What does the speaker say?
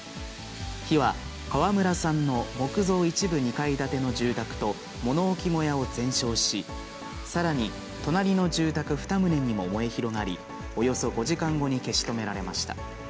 火は川村さんの木造一部２階建ての住宅と、物置小屋を全焼し、さらに隣の住宅２棟にも燃え広がり、およそ５時間後に消し止められました。